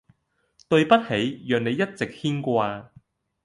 對不起，讓你一直牽掛！